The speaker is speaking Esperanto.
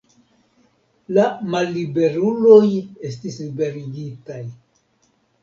La malliberuloj estis liberigitaj.